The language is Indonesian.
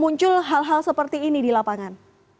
muncul hal hal seperti ini di lapangan